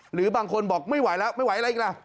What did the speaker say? หรือบางคนบอกไม่ไหวแล้วไม่ไหวอะไรอีกล่ะ